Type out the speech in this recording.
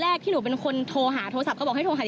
แล้วตอนนี้คณะดิสเครดิตแน่นอนสิพี่เพราะหนูเสียหายอ่ะ